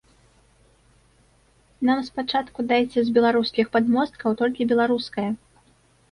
Нам спачатку дайце з беларускіх падмосткаў толькі беларускае.